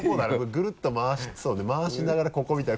ぐるっと回してそうだね回しながらここみたいな。